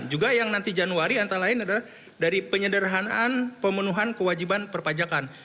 juga yang nanti januari antara lain adalah dari penyederhanaan pemenuhan kewajiban perpajakan